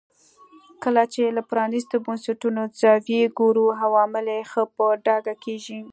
کله چې له پرانیستو بنسټونو زاویې ګورو عوامل یې ښه په ډاګه کېږي.